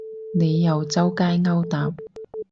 你又周街勾搭